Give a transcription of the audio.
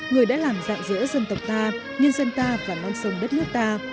người đã làm dạng giữa dân tộc ta nhân dân ta và non sông đất nước ta